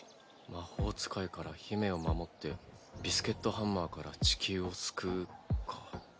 魔法使いから姫を守ってビスケットハンマーから地球を救うか。